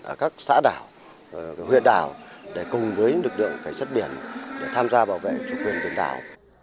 ở các xã đảo huyện đảo để cùng với lực lượng cảnh sát biển để tham gia bảo vệ chủ quyền biển đảo